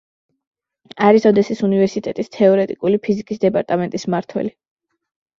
არის ოდესის უნივერსიტეტის თეორეტიკული ფიზიკის დეპარტამენტის მმართველი.